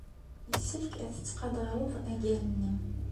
Yessefk ad tettqadared agal-nnem.